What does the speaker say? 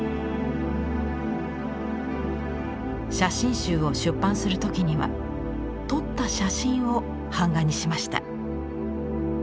写真集を出版する時には撮った写真を版画にしました。